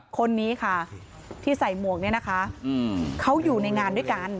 คนนี้ค่ะที่ใส่หมวกเนี่ยนะคะเขาอยู่ในงานด้วยกัน